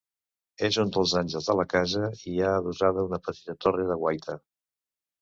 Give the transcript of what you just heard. En un dels angles de la casa hi ha adossada una petita torre de guaita.